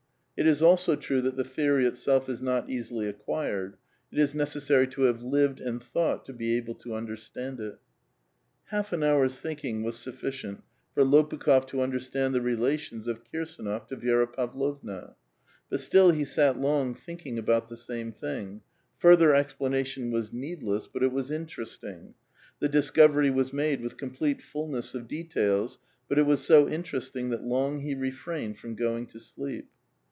It is also true that the theorv itself is not easily acquired ; it is necessary to have lived and tiiought to be able to understand it. Half an hour's thinking was sufficient for Lopukhof to understand the relations of Kii'sdnof to Vi^ra Pavlovna. But still ho sat long thinking about the same thing ; further explanation was needless, but it was interesting ; the discov ery was made with complete fulness of details, but it was so interesting that long he refrained from going to sleep.